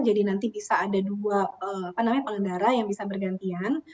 jadi nanti bisa ada dua pengendara yang bisa bergantian